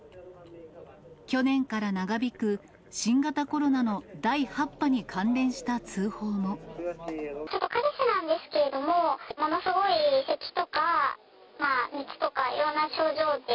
去年から長引く新型コロナのちょっと彼氏なんですけれども、ものすごいせきとか、熱とかいろんな症状で。